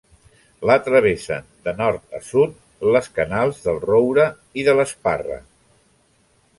La travessen, de nord a sud, les canals del Roure i de l'Esparra.